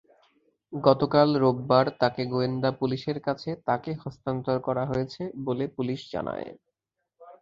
গতকাল রোববার তাঁকে গোয়েন্দা পুলিশের কাছে তাঁকে হস্তান্তর করা হয়েছে বলে পুলিশ জানায়।